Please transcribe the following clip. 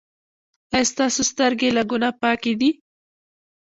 ایا ستاسو سترګې له ګناه پاکې دي؟